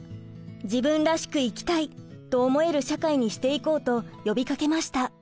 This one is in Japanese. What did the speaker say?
「自分らしく生きたい！」と思える社会にしていこうと呼びかけました。